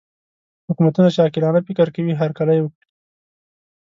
حکومتونه چې عاقلانه فکر کوي هرکلی وکړي.